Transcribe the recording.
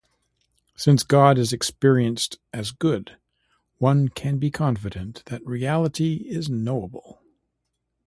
Since God is experienced as good, one can be confident that reality is knowable.